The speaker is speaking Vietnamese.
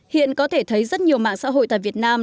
hiện có thể thấy rất nhiều mạng xã hội tại việt nam